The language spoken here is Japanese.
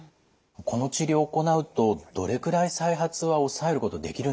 この治療を行うとどれくらい再発は抑えることできるんでしょうか？